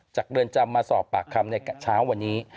เรือนจำมาสอบปากคำในเช้าวันนี้